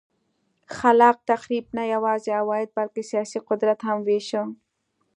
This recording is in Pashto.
خلاق تخریب نه یوازې عواید بلکه سیاسي قدرت هم وېشه.